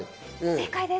正解です。